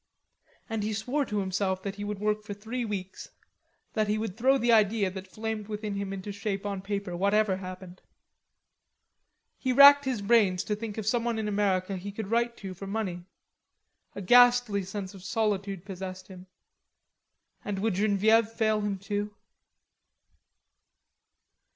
And he swore to himself that he would work for three weeks, that he would throw the idea that flamed within him into shape on paper, whatever happened. He racked his brains to think of someone in America he could write to for money, A ghastly sense of solitude possessed him. And would Genevieve fail him too?